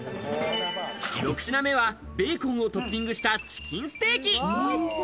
６品目はベーコンをトッピングしたチキンステーキ。